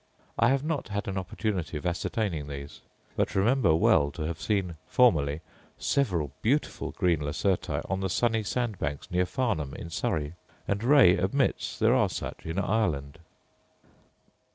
I have not had an opportunity of ascertaining these; but remember well to have seen, formerly, several beautiful green lacerti on the sunny sandbanks near Farnham, in Surrey; and Ray admits there are such in Ireland.